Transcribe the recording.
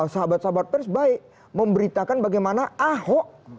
sahabat sahabat pers baik memberitakan bagaimana ahok